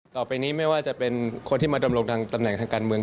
ต่อไปนี้ไม่ว่าจะเป็นคนที่มาดำรงทางตำแหน่งทางการเมือง